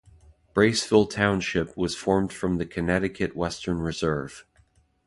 Braceville Township was formed from the Connecticut Western Reserve.